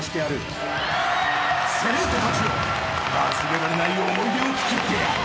［生徒たちよ忘れられない思い出をつくってやる］